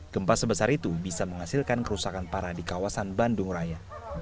gempa sebesar itu bisa menghasilkan kerusakan parah di kawasan bandung raya